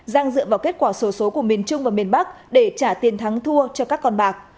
giang dựa vào kết quả số số của miền trung và miền bắc để trả tiền thắng thua cho các con bạc